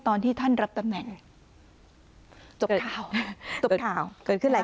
สองสามีภรรยาคู่นี้มีอาชีพ